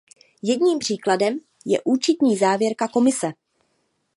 Jedním příkladem je účetní závěrka Komise.